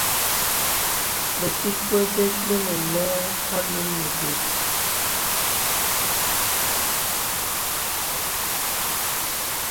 Bə̀sikwe bes bə̄ nə̀ nɔ̀ghaŋ alūn nə̀ bès.